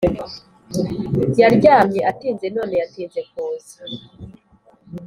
Yaryamye atinze none yatinze kuza